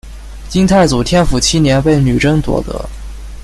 金太祖天辅七年被女真夺得。